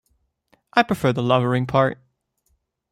I prefer the lovering part.